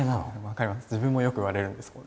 自分もよく言われるんで。